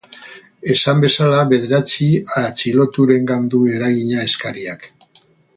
Esan bezala, bederatzi atxiloturengan du eragina eskariak.